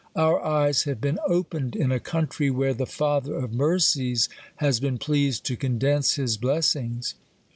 Our eyes have been opened in a country, where the Fatherof mercies has been pleased to condense his bless ings.